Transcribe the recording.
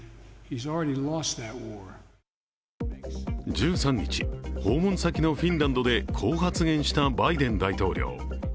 １３日、訪問先のフィンランドでこう発言したバイデン大統領。